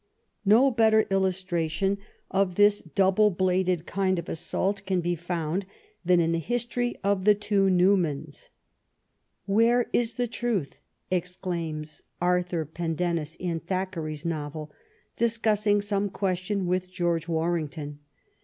No better illustration of this double F 65 66 THE STORY OF GLADSTONE'S LIFE bladed kind of assault can be found than in the history of the two Newmans. " Where is the truth?" exclaims Arthur Pendennis in Thack eray's novel, discussing some question with George Warrington.